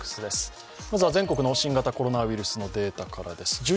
まずは全国の新型コロナウイルスのデータからです。